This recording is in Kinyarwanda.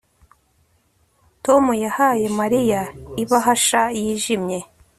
Tom yahaye Mariya ibahasha yijimye